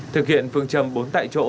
thực hiện phương trầm bốn tại chỗ